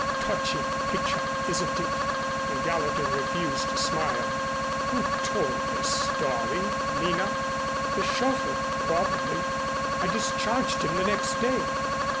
Touching picture, isn't it?" Gallatin refused to smile. "Who told this story, Nina?" "The chauffeur probably. I discharged him the next day."